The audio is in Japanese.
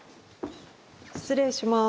失礼します。